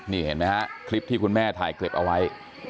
นี่เห็นไหมฮะคลิปที่คุณแม่ถ่ายเก็บเอาไว้